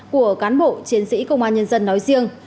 của cán bộ chiến sĩ công an nhân dân nói riêng